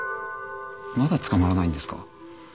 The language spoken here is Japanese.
まだ捕まらないんですか？